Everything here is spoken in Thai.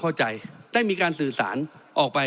เพราะฉะนั้นโทษเหล่านี้มีทั้งสิ่งที่ผิดกฎหมายใหญ่นะครับ